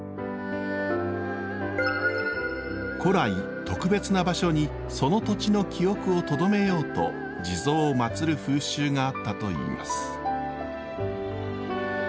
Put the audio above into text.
古来特別な場所にその土地の記憶をとどめようと地蔵をまつる風習があったといいます。